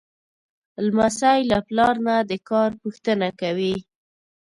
لمسی له پلار نه د کار پوښتنه کوي.